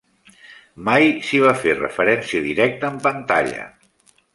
Mai s'hi va fer referència directa en pantalla.